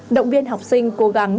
động viên học sinh cố gắng